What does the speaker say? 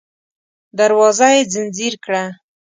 دروازه يې ځنځير کړه.